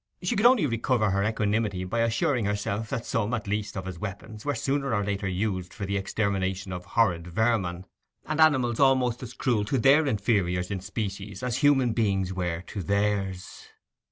She could only recover her equanimity by assuring herself that some, at least, of his weapons were sooner or later used for the extermination of horrid vermin and animals almost as cruel to their inferiors in species as human beings were to theirs.